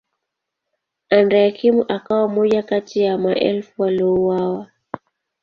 Andrea Kim akawa mmoja kati ya maelfu waliouawa.